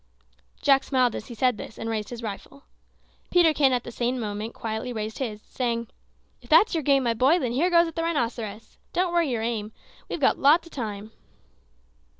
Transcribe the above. Jack smiled as he said this, and raised his rifle. Peterkin at the same moment quietly raised his, saying, "If that's your game, my boy, then here goes at the rhinoceros. Don't hurry your aim; we've lots of time."